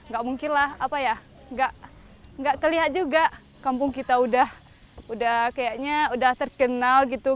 gak mungkin lah apa ya nggak kelihatan juga kampung kita udah kayaknya udah terkenal gitu